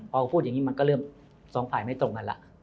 พอพูดอย่างนี้มันก็เริ่มสองฝ่ายไม่ตรงกันแล้ว